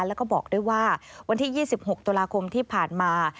แล้วก็บอกด้วยว่าวันที่๒๖ตุลาคมที่ผ่านมา